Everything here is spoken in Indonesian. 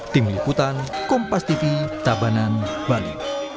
tim liputan kompas tv tabanan bali